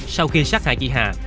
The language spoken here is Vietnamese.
sau khi sát hại chị hà